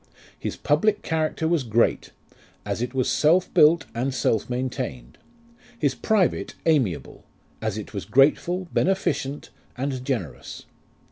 His puhlic character was great, As it was self built and self maintained : His private amiable, As it was grateful, beneficent, and generous.